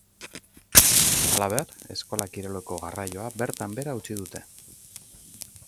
Halaber, eskola kiroleko garraioa bertan behera utzi dute.